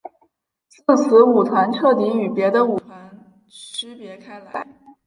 自此舞团彻底与别的舞团区别开来。